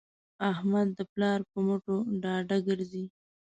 احمد د پلار په مټو ډاډه ګرځي.